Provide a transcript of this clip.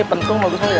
ini pentung bagus banget